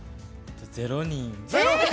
０人。